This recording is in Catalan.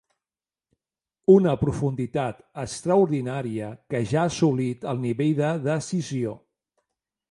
Una profunditat extraordinària que ja ha assolit el nivell de decisió.